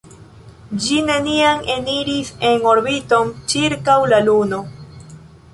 Ĝi neniam eniris en orbiton ĉirkaŭ la Luno.